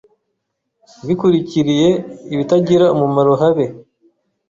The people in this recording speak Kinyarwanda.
bikurikiriye ibitagira umumaro habe